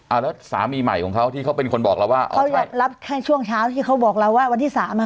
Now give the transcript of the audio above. อ่าแล้วสามีใหม่ของเขาที่เขาเป็นคนบอกเราว่าอ๋อเขารับให้ช่วงเช้าที่เขาบอกเราว่าวันที่สามอ่ะ